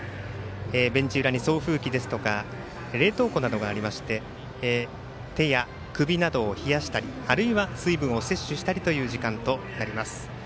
ベンチ裏に送風機ですとか冷凍庫などがありまして手や首などを冷やしたりあるいは水分を摂取したりという時間となります。